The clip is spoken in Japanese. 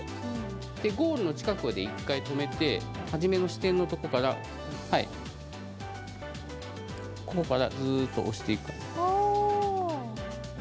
で、ゴールの近くで一回止めて初めの支点のところからこっから、ずーっと押していく。